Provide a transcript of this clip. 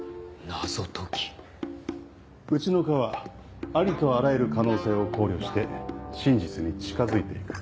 うちの科はありとあらゆる可能性を考慮して真実に近づいて行く。